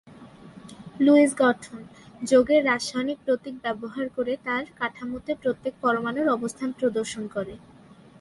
Luis গঠন; যোগের রাসায়নিক প্রতীক ব্যবহার করে তার কাঠামোতে প্রত্যেক পরমাণুর অবস্থান প্রদর্শন করে।